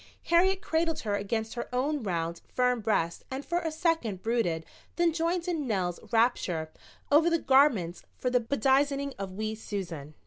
Harriet cradled her against her own round, firm breast and for a second brooded then joined in Nell's rapture over the garments for the bedizening of wee Susan.